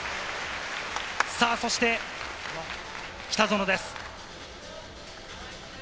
そして北園です。